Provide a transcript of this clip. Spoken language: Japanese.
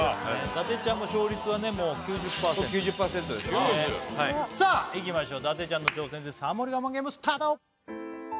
伊達ちゃんも勝率はねもう９０％僕９０％です９０！さあいきましょう伊達ちゃんの挑戦ですハモリ我慢ゲームスタート